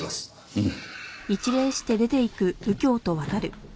うん。